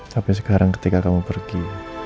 sampai sekarang ketika kamu pergi